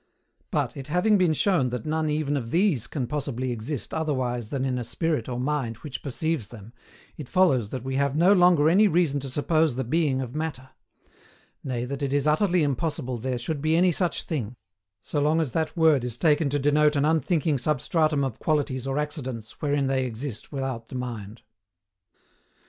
But, it having been shown that none even of these can possibly exist otherwise than in a Spirit or Mind which perceives them it follows that we have no longer any reason to suppose the being of Matter; nay, that it is utterly impossible there should be any such thing, so long as that word is taken to denote an unthinking substratum of qualities or accidents wherein they exist without the mind.